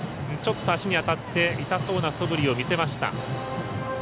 ちょっと足に当たって痛そうなそぶりを見せました。